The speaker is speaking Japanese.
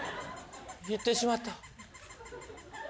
行ってしまった。